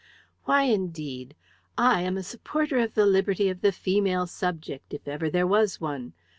"Why, indeed? I am a supporter of the liberty of the female subject, if ever there was one.